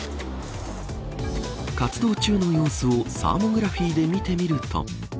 活動中の様子をサーモグラフィーで見てみると。